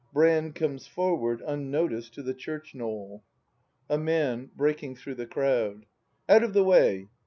Brand comes foricard, unnoticed, to the church knoll. A Man. [Breaking through the crowd.] Out of the way